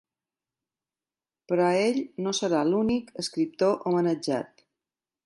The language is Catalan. Però ell no serà l’únic escriptor homenatjat.